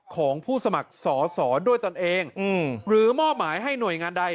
ของผู้สมัครสอสอด้วยตนเองหรือมอบหมายให้หน่วยงานใด